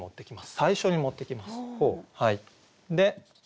最初に持ってきます。